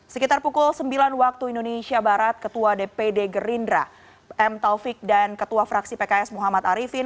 sekitar pukul sembilan waktu indonesia barat ketua dpd gerindra m taufik dan ketua fraksi pks muhammad arifin